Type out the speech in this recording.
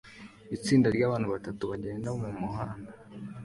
itsinda ryabantu batatu bagenda mumuhanda